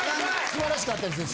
素晴らしかったですね。